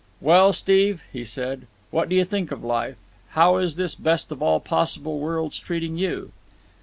"Well, Steve," he said, "what do you think of life? How is this best of all possible worlds treating you?"